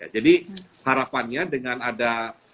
jadi harapannya dengan ada